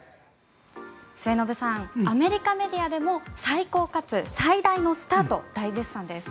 末延さんアメリカメディアでも最高かつ最大のスターと大絶賛です。